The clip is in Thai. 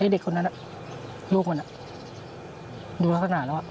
เด็กคนนั้นลูกมัน